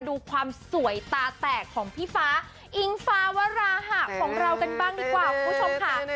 ดูความสวยตาแตกของพี่ฟ้าอิงฟ้าวราหะของเรากันบ้างดีกว่าคุณผู้ชมค่ะ